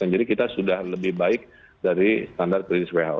jadi kita sudah lebih baik dari standar kritis who